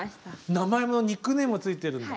名前もニックネームも付いてるんだ。